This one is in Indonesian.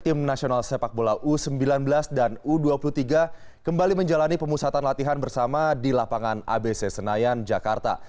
tim nasional sepak bola u sembilan belas dan u dua puluh tiga kembali menjalani pemusatan latihan bersama di lapangan abc senayan jakarta